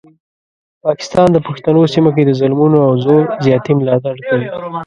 پاکستان د پښتنو سیمه کې د ظلمونو او زور زیاتي ملاتړ کوي.